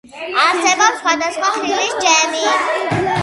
არსებობს სხვადასხვა ხილის ჯემი.